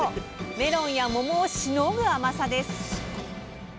メロンや桃をしのぐ甘さです。